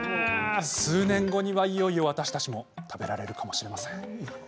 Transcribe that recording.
数年後には、いよいよ私たちも食べられるかもしれません。